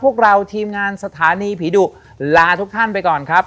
พวกเราทีมงานสถานีผีดุลาทุกท่านไปก่อนครับ